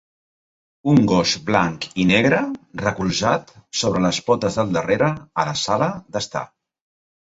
Un gos blanc i negre recolzat sobre les potes del darrere a la sala d'estar.